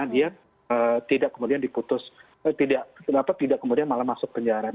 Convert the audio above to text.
dia tidak kemudian diputus tidak kemudian malah masuk penjara